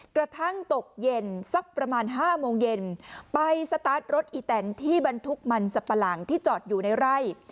กระทั่งตกเย็นสักประมาณ๕โมงเย็นไปสตาร์ทรถอีแตนที่บรรทุกมันสับปะหลังที่จอดอยู่ในไร่